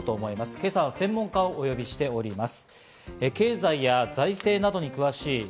今朝は専門家をお呼びしております。